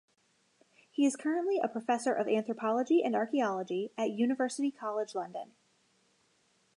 He is currently a Professor of Anthropology and Archaeology at University College London.